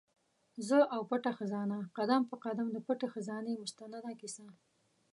زه او پټه خزانه؛ قدم په قدم د پټي خزانې مستنده کیسه